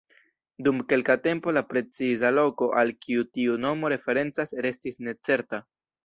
Dum kelka tempo la preciza loko al kiu tiu nomo referencas restis necerta.